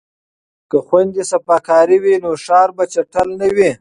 که خویندې صفاکارې وي نو ښار به چټل نه وي.